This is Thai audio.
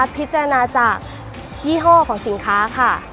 พิจารณาจากยี่ห้อของสินค้าค่ะ